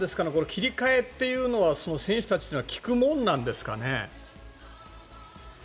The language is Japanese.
切り替えというのは選手たちには利くものなんですかね。